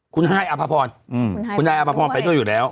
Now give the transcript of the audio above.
คุณฮายอภพรคุณนายอภพรไปด้วยอยู่แล้ว